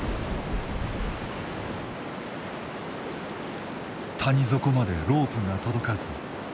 谷底までロープが届かず引き返す。